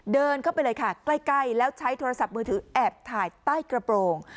เดินเข้าไปเลยค่ะใกล้แล้วใช้โทรศัพท์มือถือแอบถ่ายใต้กระโปรง